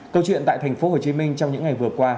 câu chuyện tại thành phố hồ chí minh trong những ngày vừa qua